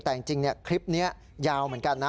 แต่จริงคลิปนี้ยาวเหมือนกันนะ